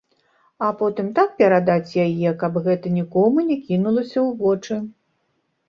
А потым так перадаць яе, каб гэта нікому не кінулася ў вочы.